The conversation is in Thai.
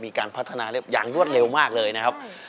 มีการพัฒนาอย่างรวดเร็วมากเลยนะครับ